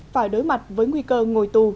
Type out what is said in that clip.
phải đối mặt với nguy cơ ngồi tù